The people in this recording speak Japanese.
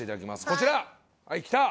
こちらはいきた！